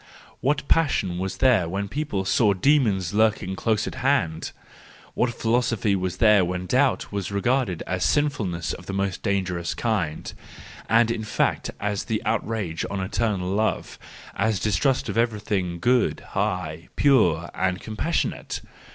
What passion was there when people saw demons lurking close at hand ! What philosophy was there when doubt was regarded as sinfulness of the most dangerous kind, and in fact as an outrage on eternal love, as distrust of every¬ thing good, high, pure, and compassionate!